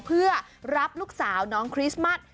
เพื่อรับลูกสาวน้องคริสต์มัส